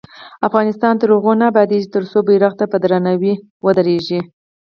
افغانستان تر هغو نه ابادیږي، ترڅو بیرغ ته په درناوي ودریږو.